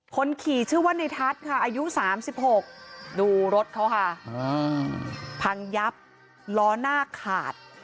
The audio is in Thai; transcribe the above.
คนขี่ชื่อว่าในทัศน์ค่ะอายุ๓๖ดูรถเขาค่ะพังยับล้อหน้าขาด